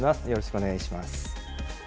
よろしくお願いします。